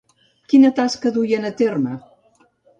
Quina tasca duien a terme?